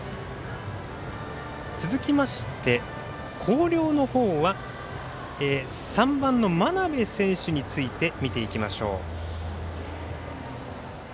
続きまして、広陵の方は３番の真鍋選手について見ていきましょう。